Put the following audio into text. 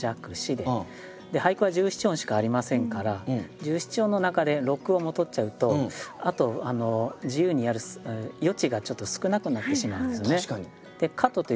で俳句は十七音しかありませんから十七音の中で六音もとっちゃうとあと自由にやる余地がちょっと少なくなってしまうんですよね。